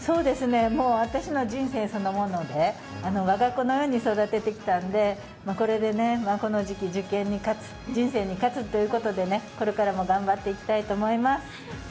もう私の人生そのもので、我が子のように育ててきたので、これでこの時期、受験に勝つ、人生に勝つということでこれからも頑張っていきたいと思います。